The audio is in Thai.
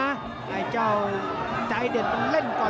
อะไรจ้าวใจเด็ดมันเล่นก่อนนะ